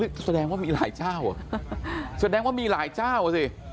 แสดงว่ามีหลายเจ้าอ่ะแสดงว่ามีหลายเจ้าอ่ะสิ